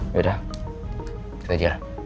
yaudah kita jalan